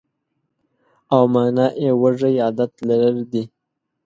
او مانا یې وږی عادت لرل دي.